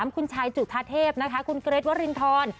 คุณชายจุธาเทพคุณเกรตวริณฑร